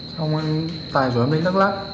xong tài rủ em đến đắk lắc